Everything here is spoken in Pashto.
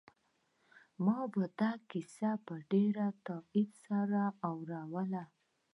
ما به دا کیسه په ډېر تاکید سره ور اوروله